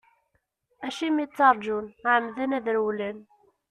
Acimi ttarǧun, ɛemmden ad rewlen.